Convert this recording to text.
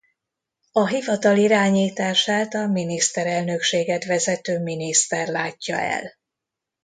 A Hivatal irányítását a Miniszterelnökséget vezető miniszter látja el.